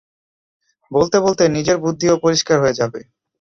বলতে বলতে নিজের বুদ্ধিও পরিষ্কার হয়ে যাবে।